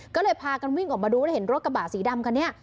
ก็เลยพากันวิ่งออกมาดูแล้วเห็นรถกระบะสีดำคันนี้